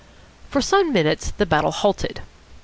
For some minutes the battle halted.